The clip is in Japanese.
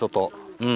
うん。